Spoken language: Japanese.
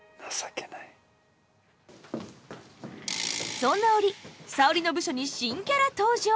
そんな折沙織の部署に新キャラ登場！